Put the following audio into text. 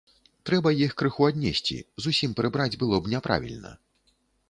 Трэба іх крыху аднесці, зусім прыбраць было б няправільна.